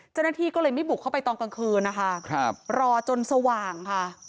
เจ้าหน้าที่ก็เลยไม่บุกเข้าไปตอนกลางคืนนะคะรอจนสว่างค่ะ